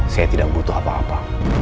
saya tidak butuh apa apa